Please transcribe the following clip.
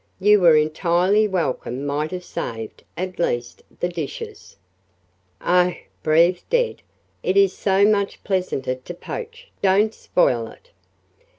"You were entirely welcome might have saved, at least, the dishes." "Oh," breathed Ed, "it is so much pleasanter to poach don't spoil it."